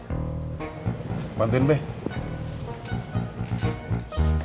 kususin kususin at reeve sharpahl quantiko penggadi apa itu sampeus rp seratus sundari satu iten